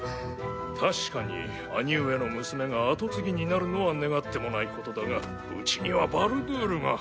確かに兄上の娘が跡継ぎになるのは願ってもないことだがうちにはバルドゥールが。